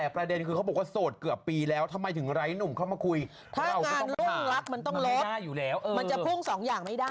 เป็นเรื่องรักมันต้องเลือกมันจะพุ่งสองอย่างไม่ได้